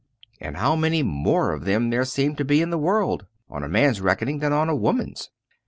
and how many more of them there seemed to be in the world, on a man's reckoning, than on a woman's!